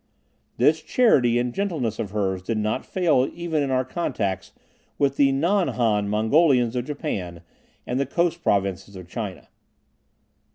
This charity and gentleness of hers did not fail even in our contacts with the non Han Mongolians of Japan and the coast provinces of China.